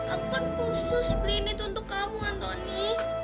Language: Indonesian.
aku kan khusus beli ini untuk kamu antoni